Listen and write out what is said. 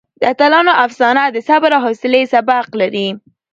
د اتلانو افسانه د صبر او حوصلې سبق لري.